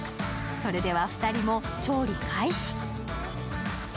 それでは２人も調理開始！